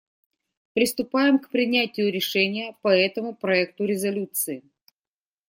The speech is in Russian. Приступаем к принятию решения по этому проекту резолюции.